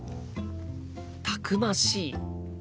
たくましい。